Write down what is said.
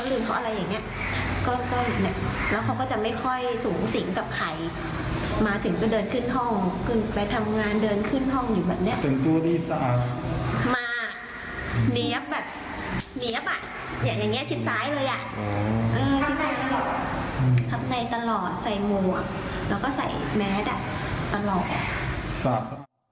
แล้วก็ใส่แมทตลอด